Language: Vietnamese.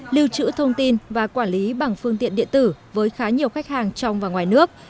lưu trữ thông tin và quản lý bằng phương tiện điện tử với khá nhiều khách hàng trong và ngoài nước